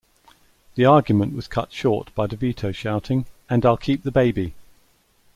The argument was cut short by DeVito shouting ...And I'll keep the baby!